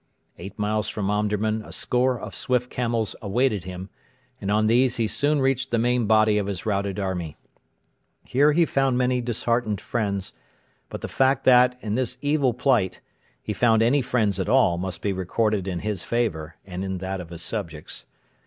Eight miles from Omdurman a score of swift camels awaited him, and on these he soon reached the main body of his routed army. Here he found many disheartened friends; but the fact that, in this evil plight, he found any friends at all must be recorded in his favour and in that of his subjects.